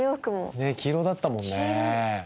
ねえ黄色だったもんね。